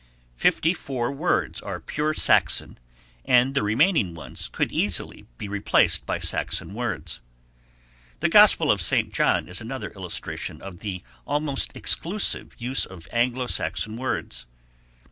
Fifty four words are pure Saxon and the remaining ones could easily be replaced by Saxon words. The gospel of St. John is another illustration of the almost exclusive use of Anglo Saxon words.